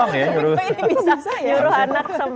tapi ini bisa nyuruh anak sampai buka baju itu wow